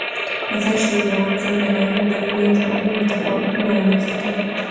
مزارشریف د افغانستان د ناحیو ترمنځ مهم تفاوتونه رامنځ ته کوي.